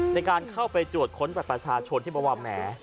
ในการเข้าไปตรวจค้นประชาชนที่ประวัมแหม